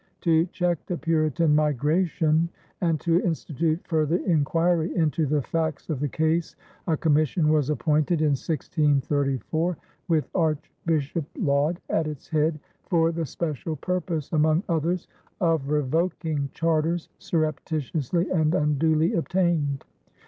To check the Puritan migration and to institute further inquiry into the facts of the case a commission was appointed in 1634, with Archbishop Laud at its head, for the special purpose, among others, of revoking charters "surreptitiously and unduly obtained."